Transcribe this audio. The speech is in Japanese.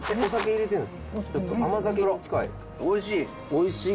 おいしい。